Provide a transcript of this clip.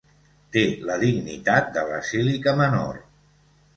Té la dignitat de basílica menor.